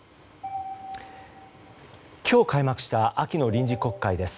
今日開幕した秋の臨時国会です。